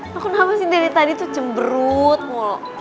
kok kenapa sih dari tadi tuh cemberut mulu